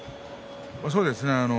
そうですね。